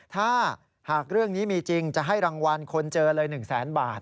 ถ้าหากเรื่องนี้มีจริงจะให้รางวัลคนเจอเลย๑แสนบาท